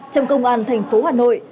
trong công an thành phố hà nội